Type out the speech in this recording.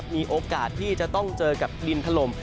มีโอกาสที่จะต้องเจอกับดินถล่ม